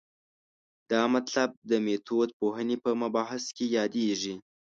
دا مطلب د میتودپوهنې په مبحث کې یادېږي.